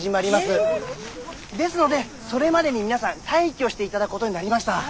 ですのでそれまでに皆さん退去していただくことになりました。